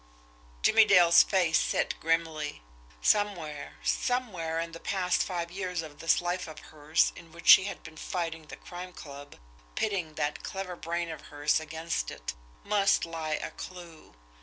Jimmie Dale's face set grimly. Somewhere somewhere in the past five years of this life of hers in which she had been fighting the Crime Club, pitting that clever brain of hers against it, MUST lie a clew.